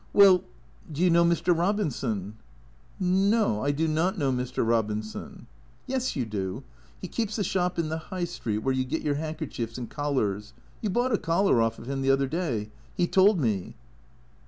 " Well — do you know Mr. Eobinson ?"" No. I do not know Mr. Eobinson." " Yes, you do. He keeps the shop in the High Street where you get your 'ankychiefs and collars. You bought a collar off of him the other day. He told me."